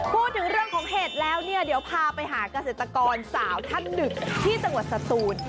พูดถึงเรื่องของเห็ดแล้วเนี่ยเดี๋ยวพาไปหาเกษตรกรสาวท่านหนึ่งที่จังหวัดสตูน